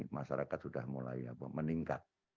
masyarakat sudah mulai meningkat